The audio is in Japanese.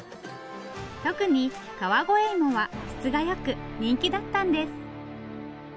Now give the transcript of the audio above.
特に川越いもは質が良く人気だったんです。